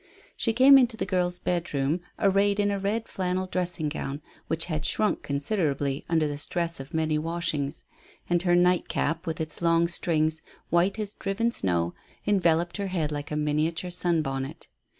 She came into the girls' bedroom arrayed in a red flannel dressing gown, which had shrunk considerably under the stress of many washings, and her night cap with its long strings, white as driven snow, enveloped her head like a miniature sun bonnet.